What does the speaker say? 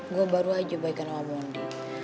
gue baru aja baik sama bondi